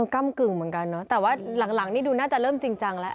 กำกึ่งเหมือนกันเนอะแต่ว่าหลังนี่ดูน่าจะเริ่มจริงจังแล้ว